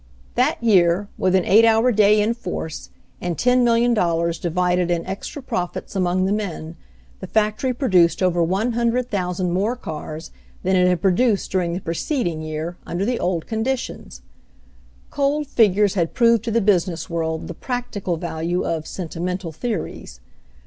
That year, with an eight hour day in force, and $10,000,000 divided in extra profits among the men, the factory produced over 100,000 more cars than it had produced during the preceding year, under the old conditions. Cold figures had proved to the business world the "practical" value of "sentimental theories."